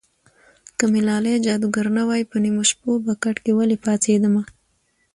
که مې لالی جادوګر نه وای په نیمو شپو به کټ کې ولې پاڅېدمه